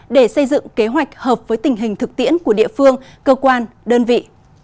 để xây dựng kế hoạch hợp với tình hình thực tiễn của địa phương cơ quan đơn vị